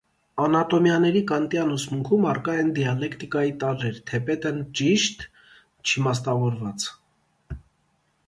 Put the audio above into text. Անատիոմիաների կանտյան ուսմանքում առկա են դիալեկտիկայի տարրեր՝ թեպետն ճիշտ չիմաստավորված։